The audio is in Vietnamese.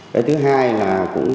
cái thứ hai là